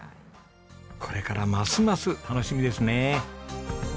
これからますます楽しみですね。